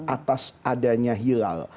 atas adanya hilal